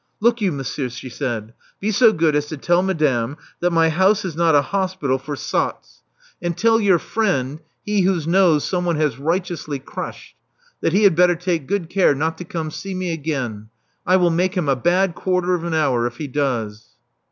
Look you, monsieur,*' she said. Beso good as to tell madame that my house is not a hospital for sots. Love Among the Artists 365 And tell your friend, he whose nose someone has righteously crushed, that he had better take good care not to come to see me again. I will make him a bad quarter of an hour if he does."